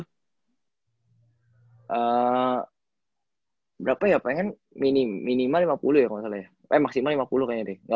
ehh berapa ya palingan minimal lima puluh ya kalo ga salah ya eh maksimal lima puluh kayaknya deh